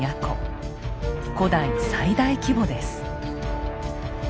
古代最大規模です。